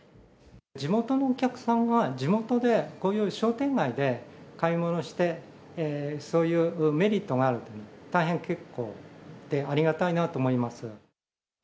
地元のお客さんは、地元でこういう商店街で買い物して、そういうメリットがあると、大変結構でありがたいなと思います。